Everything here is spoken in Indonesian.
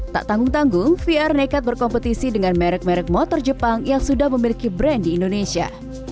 tak tanggung tanggung vr nekat berkompetisi dengan merek merek motor jepang yang sudah memiliki brand di indonesia